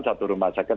satu rumah sakit